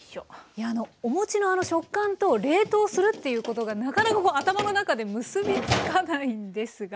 いやおもちのあの食感と冷凍するっていうことがなかなか頭の中で結び付かないんですが。